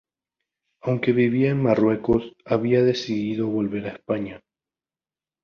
Aunque vivía en Marruecos, había decidido volver a España.